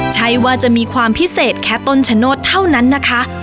ใช่ว่าจะมีความพิเศษแค่ต้นชะโนธเท่านั้นนะคะ